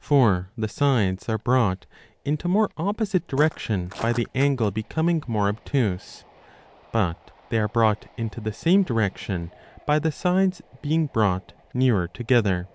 For the sides are brought into more opposite direction by the angle becoming more obtuse ; but they are brought into the same direction by the sides being brought nearer together.